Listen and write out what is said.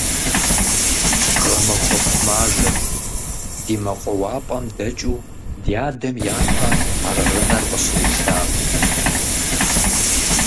Гъэмахуэку мазэт ди мэкъуауапӀэм дэкӀыу дядэм япэ аргъынэр къыщрилъам.